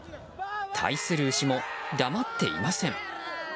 対する牛も、黙っていません。